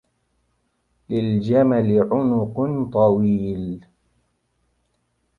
لِلْجَمَلِ عُنُقٌ طَوِيلٌ.